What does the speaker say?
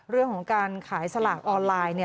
เรื่องของการขายสลากออนไลน์